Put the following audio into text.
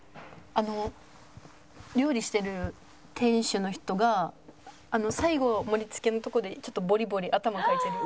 あの料理してる店主の人が最後盛り付けのとこでちょっとボリボリ頭かいてる。